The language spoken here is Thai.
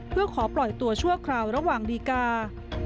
เพื่อขอปล่อยตัวชั่วคราวระหว่างดีกา